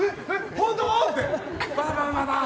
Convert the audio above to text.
本当！って。